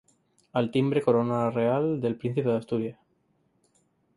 Al timbre corona real del Príncipe de Asturias.